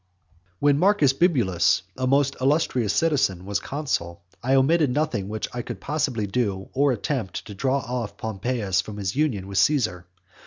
X. When Marcus Bibulus, a most illustrious citizen, was consul, I omitted nothing which I could possibly do or attempt to draw off Pompeius from his union with Caesar.